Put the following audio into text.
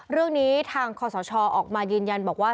เรื่องนี้ทางคอสชออกมายืนยันบอกว่า